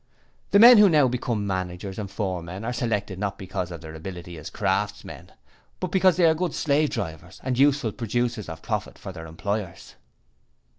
'The men who now become managers and foremen are selected not because of their ability as craftsmen, but because they are good slave drivers and useful producers of profit for their employers.'